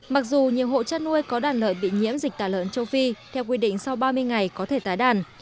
mặc dù nhiều hộ chăn nuôi có đàn lợn bị nhiễm dịch tả lợn châu phi theo quy định sau ba mươi ngày có thể tái đàn